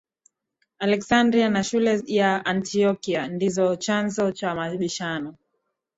Aleksandria na shule ya Antiokia ndizo chanzo cha mabishano